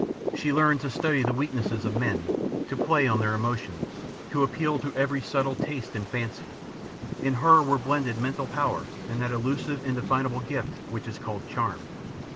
She learned to study the weaknesses of men, to play on their emotions, to appeal to every subtle taste and fancy. In her were blended mental power and that illusive, indefinable gift which is called charm.